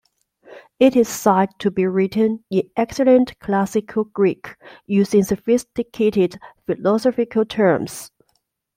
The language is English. It is said to be written in excellent Classical Greek, using sophisticated philosophical terms.